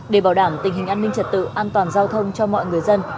để bảo đảm tình hình an ninh trật tự an toàn giao thông cho mọi người dân